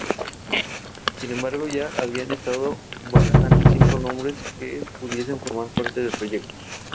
Sin embargo, ya habían estado barajando cinco nombres que pudiesen formar parte del proyecto.